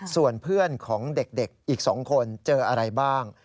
ส่วนเพื่อนของเด็กอีก๒คนเจออะไรบ้าง